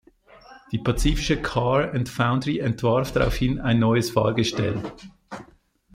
Die Pacific Car and Foundry entwarf daraufhin ein neues Fahrgestell.